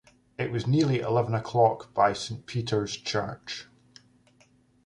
It was nearly eleven o’clock by St. Peter’s Church.